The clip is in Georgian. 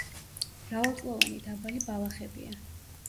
მრავალწლოვანი დაბალი ბალახებია.